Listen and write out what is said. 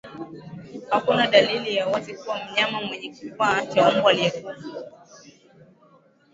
Hakuna dalili za wazi kwa mnyama mwenye kichaa cha mbwa aliyekufa